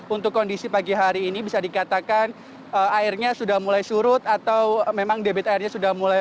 untuk kondisi pagi hari ini bisa dikatakan airnya sudah mulai surut atau memang debit airnya sudah mulai